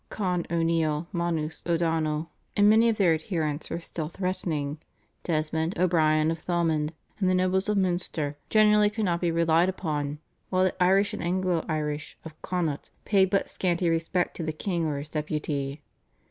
Con O'Neill, Manus O'Donnell, and many of their adherents were still threatening; Desmond, O'Brien of Thomond and the nobles of Munster generally could not be relied upon; while the Irish and Anglo Irish of Connaught paid but scanty respect to the king or his deputy.